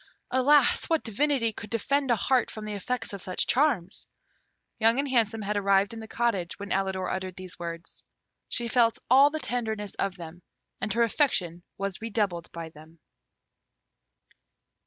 Alas! what divinity could defend a heart from the effects of such charms!" Young and Handsome had arrived in the cottage when Alidor uttered these words. She felt all the tenderness of them, and her affection was redoubled by them.